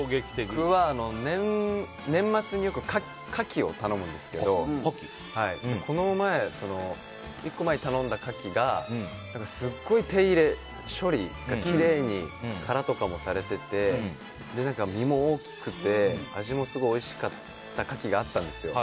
僕は、年末によく牡蠣を頼むんですけどこの前、１個前に頼んだ牡蠣がすごい手入れ、処理がきれいに殻とかもされていて身も大きくて味もすごいおいしかった牡蠣があったんです。